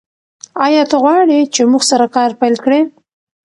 ایا ته غواړې چې موږ سره کار پیل کړې؟